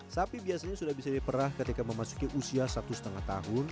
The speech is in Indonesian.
sapi biasanya sudah bisa diperah ketika memasuki usia satu lima tahun